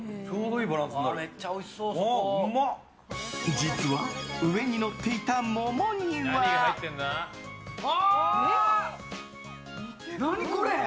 実は、上にのっていた桃には。何これ？